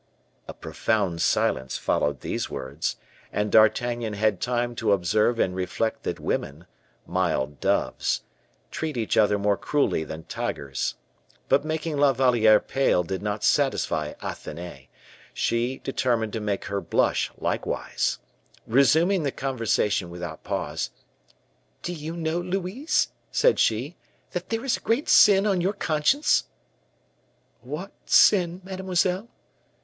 A profound silence followed these words; and D'Artagnan had time to observe and reflect that women mild doves treat each other more cruelly than tigers. But making La Valliere pale did not satisfy Athenais; she determined to make her blush likewise. Resuming the conversation without pause, "Do you know, Louise," said she, "that there is a great sin on your conscience?" "What sin, mademoiselle?"